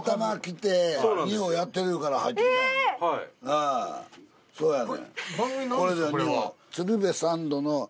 ああそうやねん。